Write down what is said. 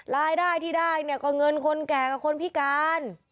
รายได้ที่ได้เนี่ยก็เงินคนแก่กับคนพิการ